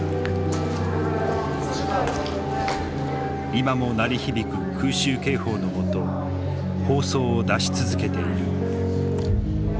今も鳴り響く空襲警報のもと放送を出し続けている。